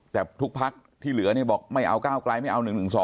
แต่ทุกพักที่เหลือเนี่ยบอกไม่เอาก้าวไกลไม่เอา๑๑๒